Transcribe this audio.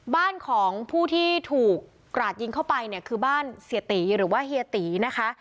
บ้านของผู้ที่ถูกกราดยิงเข้าไปเนี่ยคือบ้านเสียตีหรือว่าเฮียตีนะคะ